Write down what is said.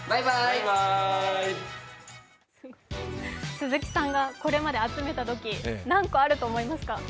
鈴木さんがこれまで集めた土器、何個あると思いますか？